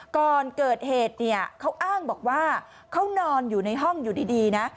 ก่อนเกิดเหตุเนี่ยเขาอ้างบอกว่าเขานอนอยู่ในห้องอยู่ดีนะ